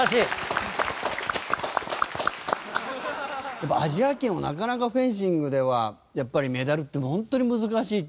やっぱアジア圏はなかなかフェンシングではやっぱりメダルって本当に難しいって。